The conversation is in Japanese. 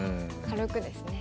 軽くですね。